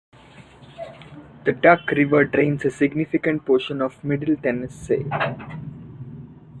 The Duck River drains a significant portion of Middle Tennessee.